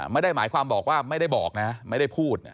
ไม่ได้หมายความบอกว่าไม่ได้บอกนะไม่ได้พูด